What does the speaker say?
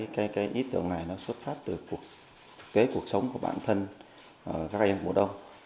cái ý tưởng này nó xuất phát từ thực tế cuộc sống của bản thân các anh em mùa đông